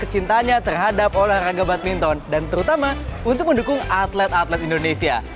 cintanya terhadap olahraga badminton dan terutama untuk mendukung atlet atlet indonesia